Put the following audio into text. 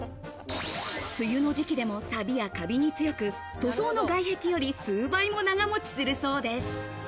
梅雨の時期でもサビやカビに強く、塗装の外壁より数倍も長持ちするそうです。